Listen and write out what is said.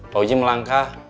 pak uji melangkah